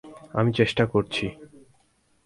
আমি চেষ্টা করছি।